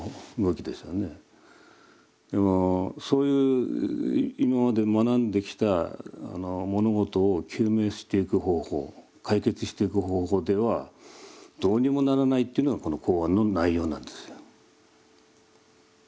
でもそういう今まで学んできた物事を究明していく方法解決していく方法ではどうにもならないっていうのがこの公案の内容なんですよ。